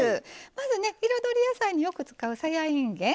まずね彩り野菜によく使うさやいんげん。